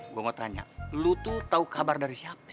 gua mau tanya lo tuh tau kabar dari siapa be